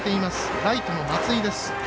ライトの松井です。